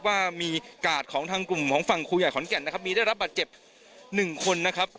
ว่ามีกาดของทางกลุ่มของฝั่งครูใหญ่ขอนแก่นนะครับมีได้รับบาดเจ็บหนึ่งคนนะครับ